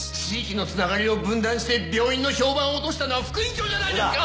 地域のつながりを分断して病院の評判を落としたのは副院長じゃないですか！